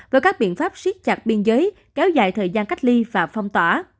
với các biện pháp siết chặt biên giới kéo dài thời gian cách ly và phong tỏa